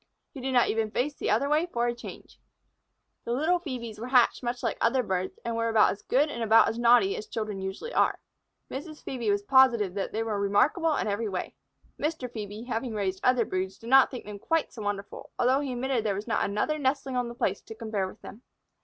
He did not even face the other way for a change. The little Phœbes were hatched much like other birds, and were about as good and about as naughty as children usually are. Mrs. Phœbe was positive that they were remarkable in every way. Mr. Phœbe, having raised other broods, did not think them quite so wonderful, although he admitted that there was not another nestling on the place to compare with them.